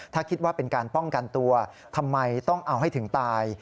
ถ้าคิดว่าเป็นการป้องกันตัวทำไมต้องเอาให้ถึงตาย